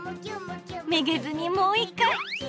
めげずにもう１回。